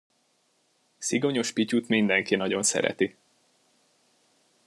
Szigonyos Pityut mindenki nagyon szereti.